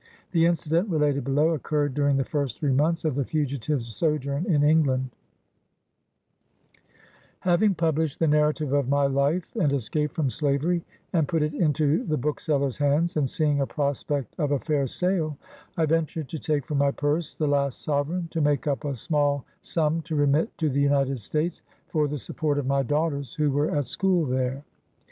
The incident related below occurred during the first three months of the fugitive's sojourn in England :— 11 Having published the narrative of my life and escape from slavery, and put it into the booksellers' hands, and seeing a prospect of a fair sale, I ventured to take from my purse the last sovereign, to make up a small sum to remit to the United States, for the sup port of my daughters, who were at school there.